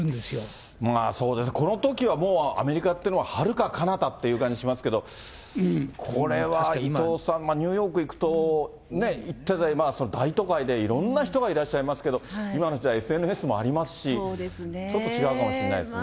そうですね、このときはもうアメリカっていうのは、はるかかなたっていう感じしますけど、これは伊藤さん、ニューヨーク行くと、大都会でいろんな人がいらっしゃいますけれども、今の時代ＳＮＳもありますし、ちょっと違うかもしれないですね。